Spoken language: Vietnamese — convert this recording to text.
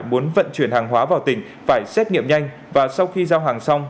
muốn vận chuyển hàng hóa vào tỉnh phải xét nghiệm nhanh và sau khi giao hàng xong